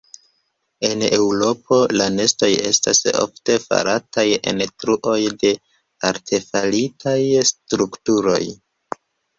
En Eŭropo la nestoj estas ofte farataj en truoj de artefaritaj strukturoj.